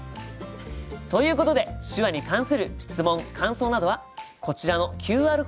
ということで手話に関する質問感想などはこちらのＱＲコードからお送りください。